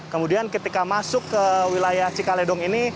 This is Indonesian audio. kemudian ketika masuk ke wilayah cikaledong ini